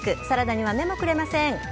サラダには目もくれません。